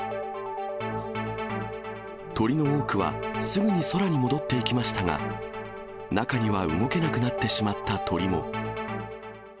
鳥の多くは、すぐに空に戻っていきましたが、中には動けなくなってしまった鳥も。